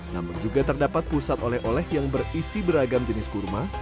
namun juga terdapat pusat oleh oleh yang berisi beragam jenis kurma